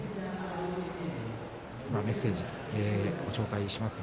メッセージをご紹介します。